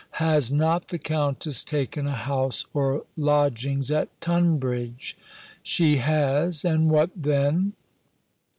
Has not the Countess taken a house or lodgings at Tunbridge?" "She has; and what then?"